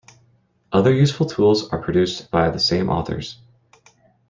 Other useful tools are produced by the same authors.